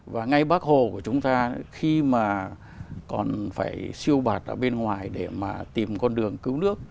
và ngay bác hồ của chúng ta khi mà còn phải siêu bạt ở bên ngoài để mà tìm con đường cứu nước